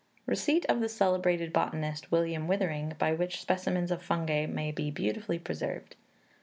Receipt of the celebrated botanist, William Withering, by which specimens of fungi may be beautifully preserved.